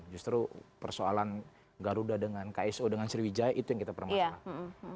justru persoalan garuda dengan kso dengan sriwijaya itu yang kita permasalahkan